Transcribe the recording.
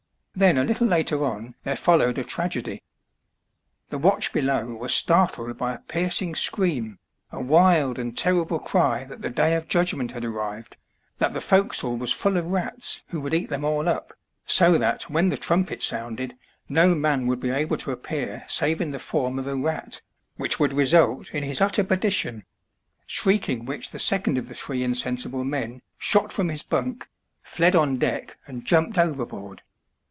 Then a little later on there followed a tragedy. The watch below were startled by a piercing scream, a wild and terrible cry that the Day of Judgment had arrived, that the forecastle was full of rats who would eat them all up, so that, when the trumpet sounded, no man would be able to appear save in the form of a rat, which would result in his utter perdition !— shriek ing which the second of the three insensible men shot from his bunk, fled on deck, and jumped overboard.